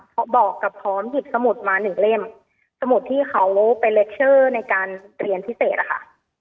บอกกับพร้อมหยิบสมุดมาหนึ่งเล่มสมุดที่เขาเป็นเล็กเชอร์ในการเรียนพิเศษอะค่ะ